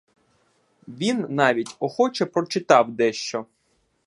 Він навіть охоче прочитав дещо.